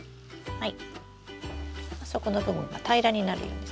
はい。